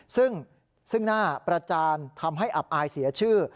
ซึ่งหน้าประจานทำให้อับอายเสียชื่อ